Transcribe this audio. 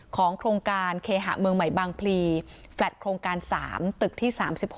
โครงการเคหะเมืองใหม่บางพลีแฟลตโครงการ๓ตึกที่๓๖